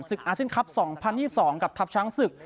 สึกอาทิตย์คลับ๒๐๒๒กับทัพช้างสึก